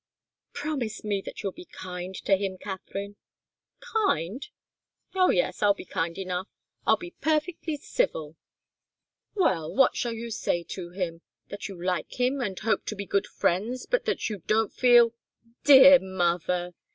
"Promise me that you'll be kind to him, Katharine " "Kind? Oh, yes I'll be kind enough. I'll be perfectly civil " "Well what shall you say to him? That you like him, and hope to be good friends, but that you don't feel " "Dear mother!"